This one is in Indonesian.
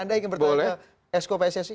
anda ingin bertanya ke sko pssi